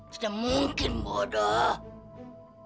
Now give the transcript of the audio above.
tidak mungkin bodoh